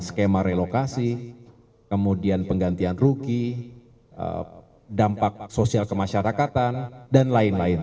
skema relokasi kemudian penggantian ruki dampak sosial kemasyarakatan dan lain lain